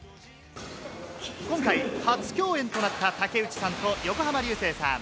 今回、初共演となった竹内さんと横浜流星さん。